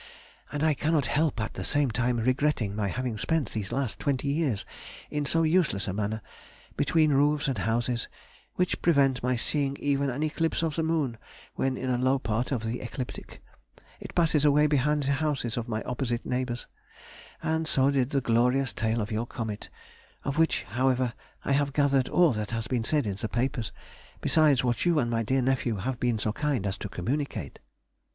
And I cannot help at the same time regretting my having spent these last twenty years in so useless a manner, between roofs and houses which prevent my seeing even an eclipse of the moon when in a low part of the ecliptic, it passes away behind the houses of my opposite neighbours; and so did the glorious tail of your comet, of which, however, I have gathered all that has been said in the papers, besides what you and my dear nephew have been so kind as to communicate....